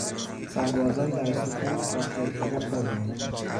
سربازان در سکوت تا خرخره خوردند.